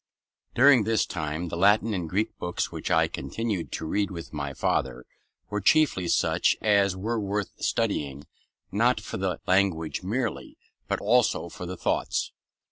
During this time, the Latin and Greek books which I continued to read with my father were chiefly such as were worth studying, not for the language merely, but also for the thoughts.